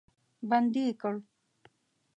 بندي یې کړ.